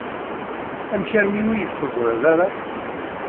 Amek armi ur iyi-teẓriḍ ara?